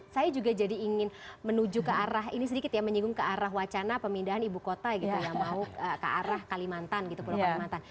saya juga jadi ingin menuju ke arah ini sedikit ya menyinggung ke arah wacana pemindahan ibu kota gitu ya mau ke arah kalimantan gitu pulau kalimantan